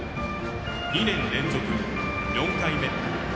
２年連続４回目。